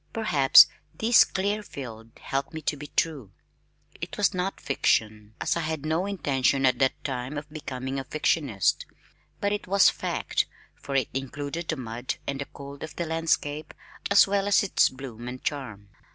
Perhaps this clear field helped me to be true. It was not fiction, as I had no intention at that time of becoming a fictionist, but it was fact, for it included the mud and cold of the landscape as well as its bloom and charm.